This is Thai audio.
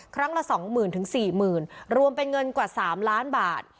ครั้งละสองหมื่นถึงสี่หมื่นรวมเป็นเงินกว่าสามล้านบาท